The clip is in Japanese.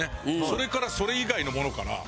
それからそれ以外のものから。